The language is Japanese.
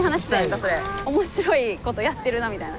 面白いことやってるなみたいな。